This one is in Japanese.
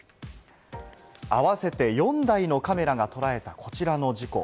合わせて４台のカメラがとらえた、こちらの事故。